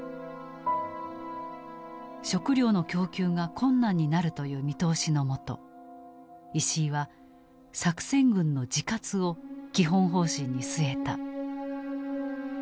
食糧の供給が困難になるという見通しのもと石井は「作戦軍の自活」を基本方針に据えた。